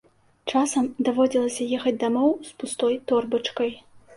Часам даводзілася ехаць дамоў з пустой торбачкай.